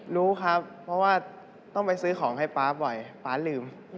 รู้ครับเพราะว่าต้องไปซื้อของให้ป๊าบ่อยป๊าลืม